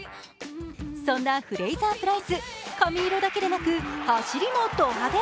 そんなフレーザー・プライス、髪色だけでなく走りもド派手。